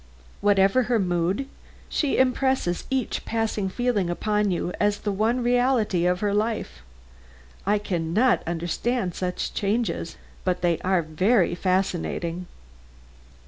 Whatever her mood, she impresses each passing feeling upon you as the one reality of her life. I can not understand such changes, but they are very fascinating."